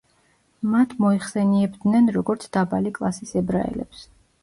მათ მოიხსენიებდნენ როგორც „დაბალი კლასის ებრაელებს“.